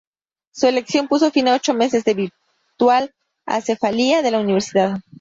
Su elección puso fin a ocho meses de virtual acefalía de la Universidad.